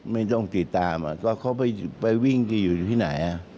ไม่ต้องติดตามก็เขาไปวิ่งอยู่ที่ไหน